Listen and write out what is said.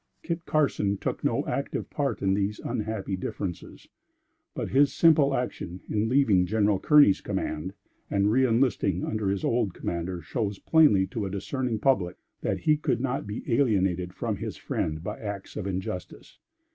Kit Carson took no active part in these unhappy differences, but, his simple action in leaving General Kearney's command and reenlisting under his old commander shows plainly to a discerning public, that he could not be alienated from his friend by acts of injustice.